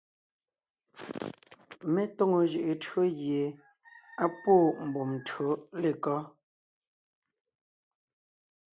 Mé tóŋo jʉʼʉ tÿǒ gie á pwóon mbùm tÿǒ lekɔ́?